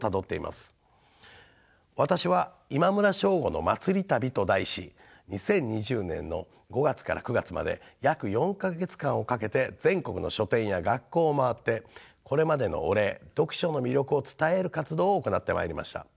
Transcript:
私は「今村翔吾のまつり旅」と題し２０２２年の５月から９月まで約４か月間をかけて全国の書店や学校をまわってこれまでのお礼読書の魅力を伝える活動を行ってまいりました。